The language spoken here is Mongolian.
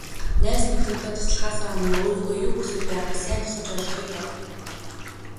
Найз нөхдөдөө туслахаасаа өмнө өөрийнхөө юу хүсээд байгааг сайн тусгаж ойлгохыг бод.